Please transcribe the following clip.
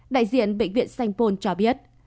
đại diện bệnh viện sanh phôn cho biết